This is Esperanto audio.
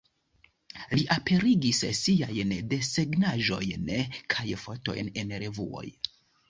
Li aperigis siajn desegnaĵojn kaj fotojn en revuoj.